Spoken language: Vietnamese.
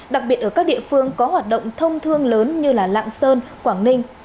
đặc biệt ở các địa phương có hoạt động thông thương lớn như lạng sơn quảng ninh